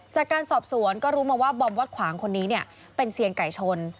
จากการสอบสวนก็รู้มาว่าบอมวัดขวางคนนี้เป็นเซียนไก่ชน